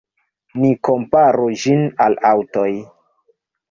Ni komparu ĝin al aŭtoj.